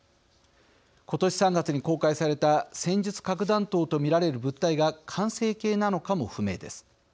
今年３月に公開された戦術核弾頭と見られる物体が完成形なのかも不明です。